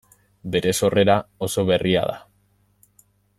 Bere sorrera, oso berria da.